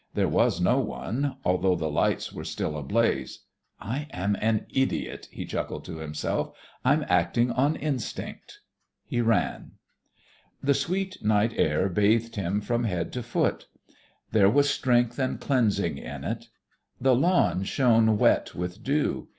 There was no one, although the lights were still ablaze. "I am an idiot," he chuckled to himself. "I'm acting on instinct!" He ran. The sweet night air bathed him from head to foot; there was strength and cleansing in it. The lawn shone wet with dew.